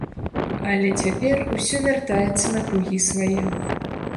Але цяпер усё вяртаецца на кругі свае.